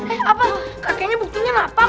eh apa kakeknya buktinya lapang